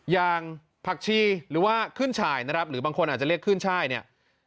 อย่างผักชีหรือว่าขึ้นฉ่ายนะครับหรือบางคนอาจจะเรียกขึ้นช่ายเนี่ย